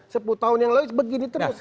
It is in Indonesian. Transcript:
sepuluh tahun yang lalu begini terus